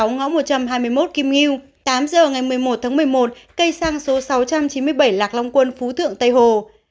ngõ một trăm hai mươi một kim liêu tám giờ ngày một mươi một tháng một mươi một cây xăng số sáu trăm chín mươi bảy lạc long quân phú thượng tây hồ